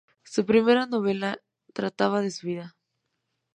Su primera novela trataba de su vida.